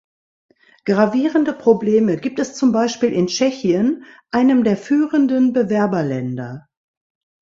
Gravierende Probleme gibt es zum Beispiel in Tschechien, einem der führenden Bewerberländer.